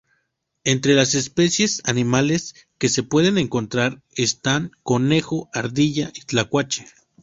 Entre las especies animales que se pueden encontrar están conejo, ardilla y tlacuache.